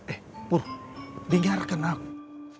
eh pur dengerin aku